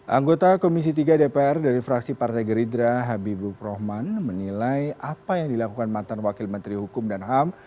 anggota komisi tiga dpr dari fraksi partai gerindra habibu rohman menilai apa yang dilakukan mantan wakil menteri hukum dan ham